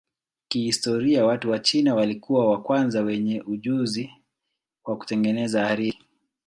Kihistoria watu wa China walikuwa wa kwanza wenye ujuzi wa kutengeneza hariri.